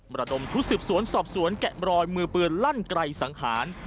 มรดมทุศิษฐ์สวนสอบสวนแกะบรอยมือเปลือนลั่นไกลสังหาร